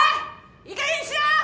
いいかげんにしな！